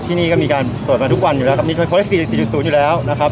ที่นี่ก็มีการตรวจมาทุกวันอยู่แล้วครับมีอยู่แล้วนะครับ